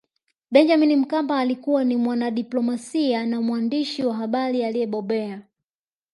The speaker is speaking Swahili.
benjamin mkapa alikuwa ni mwanadiplomasia na mwandishi wa habari aliyebobea